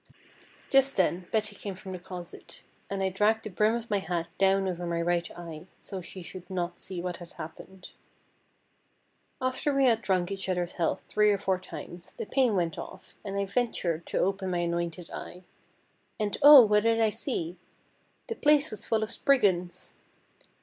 Just then Betty came from the closet, and I dragged the brim of my hat down over my right eye, so she should not see what had happened. After we had drunk each other's health three or four times, the pain went off, and I ventured to open my anointed eye. And oh! what did I see! The place was full of Spriggans!